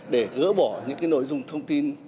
để gỡ bỏ những nội dung thông tin